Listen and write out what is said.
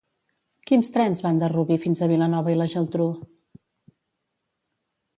Quins trens van de Rubí fins a Vilanova i la Geltrú?